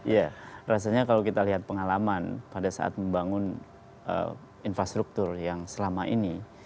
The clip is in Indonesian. ya rasanya kalau kita lihat pengalaman pada saat membangun infrastruktur yang selama ini